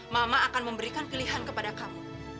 mama akan memberikan pilihan kepada kamu